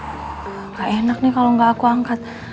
nggak enak nih kalau enggak aku angkat